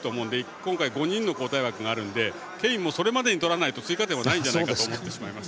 今回、５人の交代枠があるのでケインもそれまでに取らないと追加点はないんじゃないかと思ってしまいます。